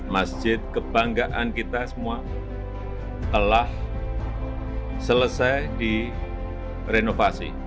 masjid kebanggaan kita semua telah selesai di renovasi